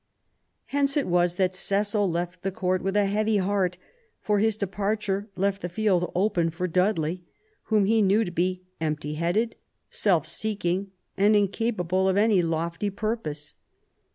Hence it was that Cecil left the Court with a heavy heart, for his departure left the field open for Dudley, whom he knew to be empty headed, self seeking, and in capable of any lofty purpose.